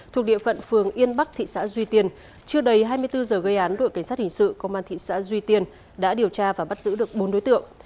thuộc địa phận phường yên bắc thị xã duy tiên chưa đầy hai mươi bốn giờ gây án đội cảnh sát hình sự công an thị xã duy tiên đã điều tra và bắt giữ được bốn đối tượng